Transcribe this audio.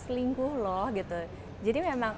selingkuh loh gitu jadi memang